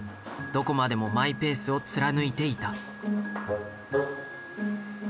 どこまでもマイペースを貫いていた。